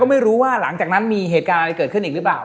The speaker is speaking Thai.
ไม่รู้ว่าหลังจากนั้นมีเหตุการณ์อะไรเกิดขึ้นอีกหรือเปล่า